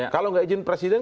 kalau nggak ijin presiden